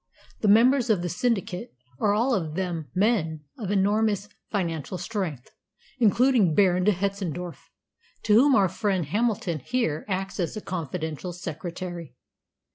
The members of the syndicate are all of them men of enormous financial strength, including Baron de Hetzendorf, to whom our friend Hamilton here acts as confidential secretary.